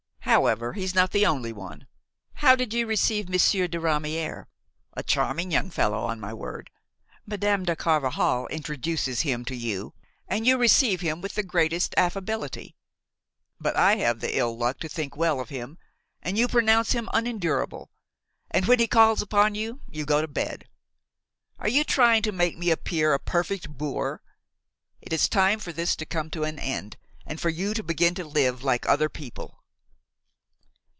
However, he's not the only one. How did you receive Monsieur de Ramière? a charming young fellow, on my word! Madame de Carvajal introduces him to you and you receive him with the greatest affability; but I have the ill luck to think well of him and you pronounce him unendurable, and when he calls upon you, you go to bed! Are you trying to make me appear a perfect boor? It is time for this to come to an end and for you to begin to live like other people."